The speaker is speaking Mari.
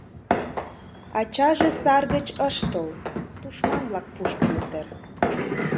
Ачаже сар гыч ыш тол, тушман-влак пуштыныт дыр...